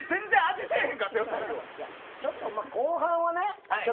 ちょっと後半はね